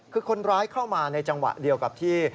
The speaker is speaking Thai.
คือคนร้ายเข้ามาในจังหวะเดียวกับที่